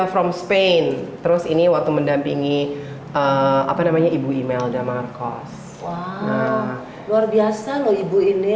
from spain terus ini waktu mendampingi apa namanya ibu imelda markos wah luar biasa loh ibu ini